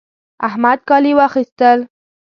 احمد کالي واخيستل